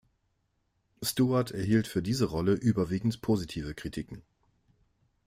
Stewart erhielt für diese Rolle überwiegend positive Kritiken.